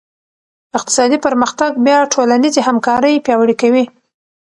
اقتصادي پرمختګ بیا ټولنیزې همکارۍ پیاوړې کوي.